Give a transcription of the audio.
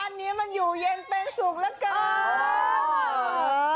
บ้านนี้มันอยู่เย็นเป็นสูบแล้วกัน